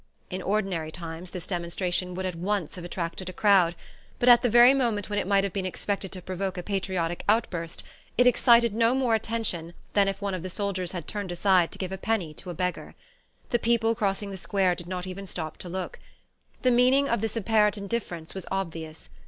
In ordinary times this demonstration would at once have attracted a crowd; but at the very moment when it might have been expected to provoke a patriotic outburst it excited no more attention than if one of the soldiers had turned aside to give a penny to a beggar. The people crossing the square did not even stop to look. The meaning of this apparent indifference was obvious.